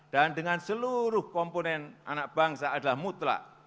dan dengan seluruh komponen anak bangsa adalah mutlak